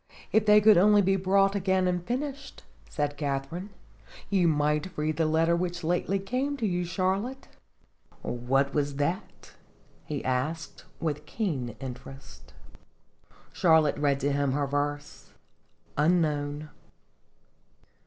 " If they could only be brought again and finished," said Katharine, " you might read the letter which lately came to you, Charlotte." 4Jlotl)0 49 "What was that?" he asked, with keen interest. Charlotte read to him her verses :" UNKNOWN.